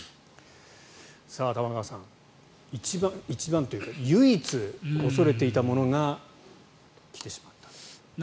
玉川さん、一番というか唯一、恐れていたものが来てしまった。